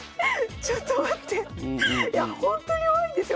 ちょっと待っていやほんとに弱いんですよ